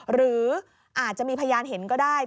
หรืออาจจะมีพยานเห็นก็ได้